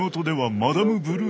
マダムブルー。